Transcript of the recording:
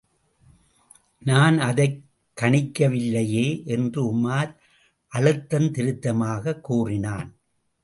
நான் அதைக் கணிக்கவில்லையே! என்று உமார் அழுத்தந்திருத்தமாகக் கூறினான்.